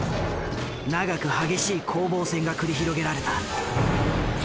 長く激しい攻防戦が繰り広げられた。